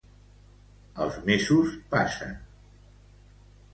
Els mesos passen.